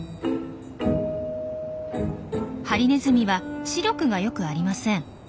ハリネズミは視力が良くありません。